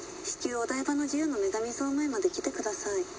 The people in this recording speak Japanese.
お台場の自由の女神像前まで来てください」